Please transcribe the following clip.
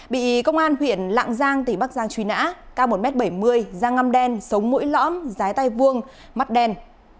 bị công an huyện lạng giang tỉnh bắc giang truy nã ca một m bảy mươi da ngăm đen sống mũi lõm dái tay vuông mắt đen